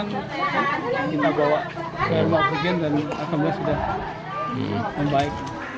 kita bawa ke luar bagian dan asamnya sudah baik